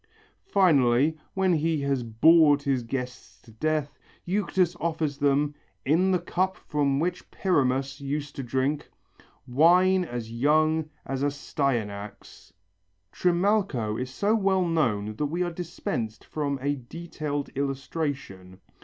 Finally, when he has bored his guests to death, Euctus offers them, in the cup from which Pyramus used to drink, "wine as young as Astyanax." Trimalcho is so well known that we are dispensed from a detailed illustration.